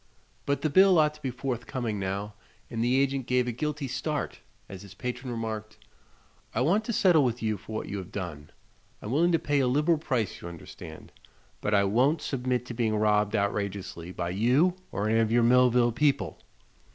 But the bill ought to be forthcoming now, and the agent gave a guilty start as his patron remarked: "I want to settle with you for what you have done. I'm willing to pay a liberal price, you understand, but I won't submit to being robbed outrageously by you or any of your Millville people."